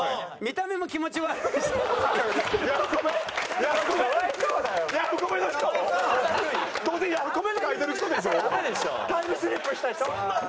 タイムスリップした人？